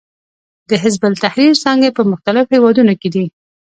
د حزب التحریر څانګې په مختلفو هېوادونو کې دي.